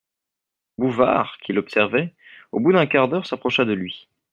Bouvard qui l'observait, au bout d'un quart d'heure s'approcha de lui.